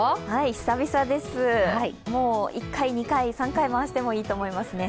久々です、１回、２回、３回回してもいいと思いますね。